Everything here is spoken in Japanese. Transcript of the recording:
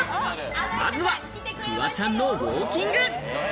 まずはフワちゃんのウオーキング。